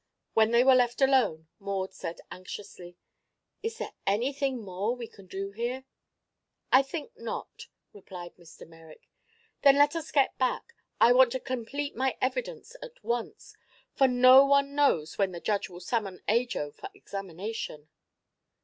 When they were left alone, Maud said anxiously: "Is there anything more we can do here?" "I think not," replied Mr. Merrick. "Then let us get back. I want to complete my evidence at once, for no one knows when the judge will summon Ajo for examination."